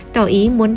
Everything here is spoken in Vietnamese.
tỏ ý muốn đánh bắn